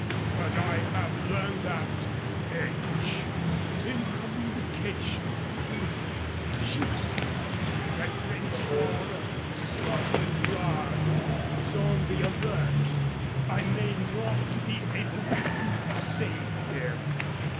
But I have learned that H is in communication with G and that Crenshaw of Scotland Yard is on the alert. I may not be able to save him.